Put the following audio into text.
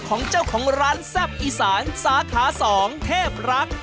ของเจ้าของร้านแซ่บอีสานสาขา๒เทพรัก